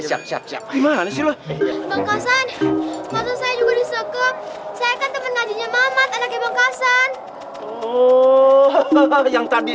ya siap siap gimana sih lu saya juga disokok temen aja mamat anaknya bangkasan yang tadi